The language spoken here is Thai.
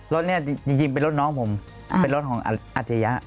รถนี่จริงเป็นรถน้องผมรถห่องอาจจะยา